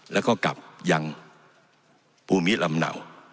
แล้วก็กลับยังภูมิลำเนา